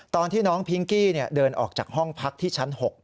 ตอนที่น้องพิงกี้เดินออกจากห้องพักที่ชั้น๖